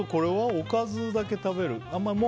おかずだけ食べる。